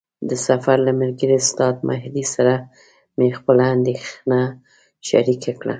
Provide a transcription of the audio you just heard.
د سفر له ملګري استاد مهدي سره مې خپله اندېښنه شریکه کړه.